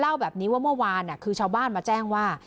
เล่าแบบนี้ว่าเมื่อวานคือชาวบ้านมาแจ้งว่า